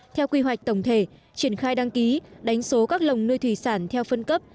theo quy hoạch tổng thể triển khai đăng ký đánh số các lồng nuôi thủy sản theo phân cấp